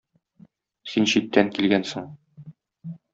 Син читтән килгәнсең.